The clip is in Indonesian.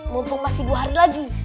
mumpung masih dua hari lagi